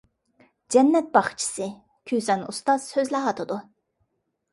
«جەننەت باغچىسى»، كۈسەن ئۇستاز سۆزلەۋاتىدۇ.